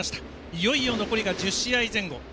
いよいよ、残りが１０試合前後。